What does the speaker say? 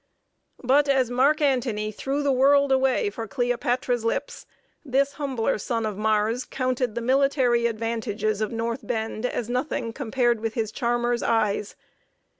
] But as Mark Antony threw the world away for Cleopatra's lips, this humbler son of Mars counted the military advantages of North Bend as nothing compared with his charmer's eyes.